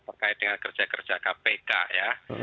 terkait dengan kerja kerja kpk ya